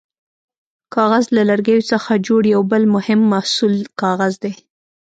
کاغذ: له لرګیو څخه جوړ یو بل مهم محصول کاغذ دی.